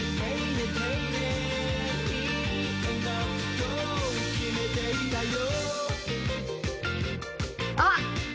「と決めていたよ」